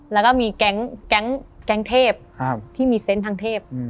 แล้วก็มีแก๊งเทพที่มีเซนต์ทางเทพ